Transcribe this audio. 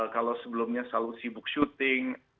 kalau sebelumnya selalu sibuk syuting